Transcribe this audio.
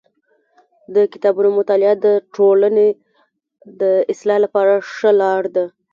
د کتابونو مطالعه د ټولني د اصلاح لپاره ښه لار ده.